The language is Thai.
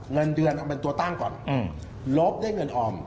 เงินเดือนเอาเป็นตัวตั้งก่อนลบได้เงินออม